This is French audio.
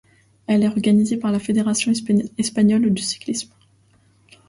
Elle est organisée par la fédération espagnole de cyclisme.